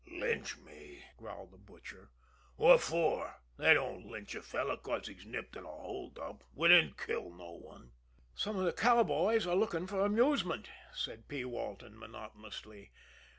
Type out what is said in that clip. "Lynch me!" growled the Butcher. "What fer? They don't lynch a fellow 'cause he's nipped in a hold up we didn't kill no one." "Some of the cowboys are looking for amusement," said P. Walton monotonously.